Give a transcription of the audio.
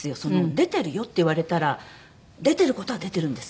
「出てるよ」って言われたら出てる事は出てるんです。